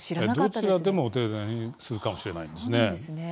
どちらでも停電するかもしれないんですね。